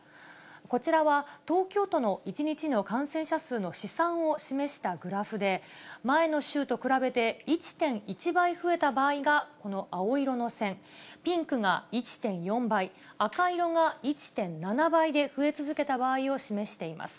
こちらは、東京都の１日の感染者数の試算を示したグラフで、前の週と比べて１．１倍増えた場合がこの青色の線、ピンクが１．４倍、赤色が１．７倍で増え続けた場合を示しています。